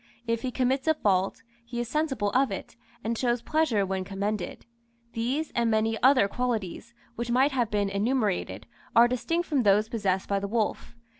If he commits a fault, he is sensible of it, and shows pleasure when commended. These, and many other qualities, which might have been enumerated, are distinct from those possessed by the wolf.